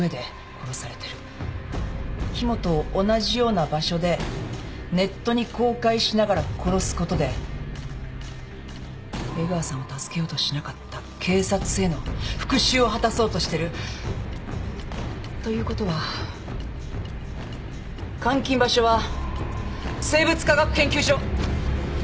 木元を同じような場所でネットに公開しながら殺すことで江川さんを助けようとしなかった警察への復讐を果たそうとしてる。ということは監禁場所は生物化学研究所！